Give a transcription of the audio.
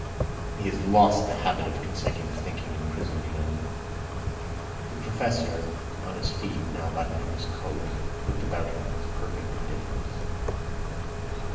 He has lost the habit of consecutive thinking in prison, you know." The Professor on his feet, now buttoning his coat, looked about him with perfect indifference.